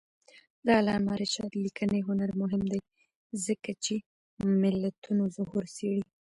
د علامه رشاد لیکنی هنر مهم دی ځکه چې ملتونو ظهور څېړي.